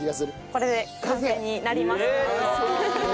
これで完成になります。